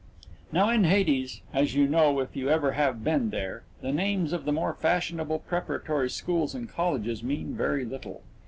Now in Hades as you know if you ever have been there the names of the more fashionable preparatory schools and colleges mean very little.